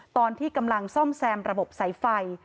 ตอนที่กำลังซ่อมแซมระบบสายไฟ